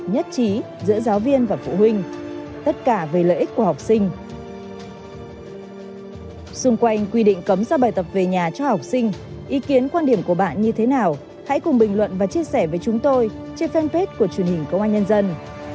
nhất trí giữa giáo viên và phụ huynh tất cả về lợi ích của học sinh